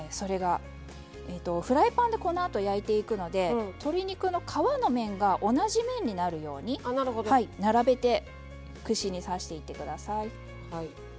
フライパンでこのあと焼いていくので鶏肉の皮の面が同じ面になるように並べて串に刺していってください。